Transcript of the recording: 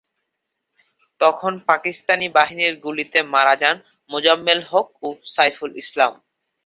তখন পাকিস্তানি বাহিনীর গুলিতে মারা যান মোজাম্মেল হক ও সাইফুল ইসলাম।